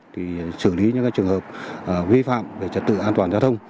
thì xử lý những trường hợp vi phạm về trật tự an toàn giao thông